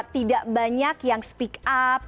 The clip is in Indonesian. tidak banyak yang speak up